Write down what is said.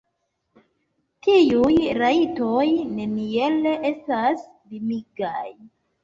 Tiuj rajtoj neniel estas limigaj.